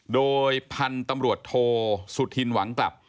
โดยพันธุ์ตำรวจโทสุธินหวังกลับ